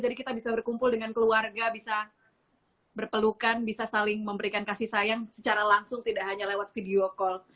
jadi kita bisa berkumpul dengan keluarga bisa berpelukan bisa saling memberikan kasih sayang secara langsung tidak hanya lewat video call